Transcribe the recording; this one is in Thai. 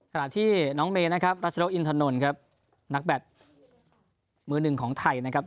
ขณะที่น้องเมย์นะครับรัชนกอินทนนท์ครับนักแบตมือหนึ่งของไทยนะครับ